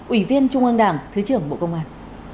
ủy viên trung ương đảng thứ trưởng bộ công an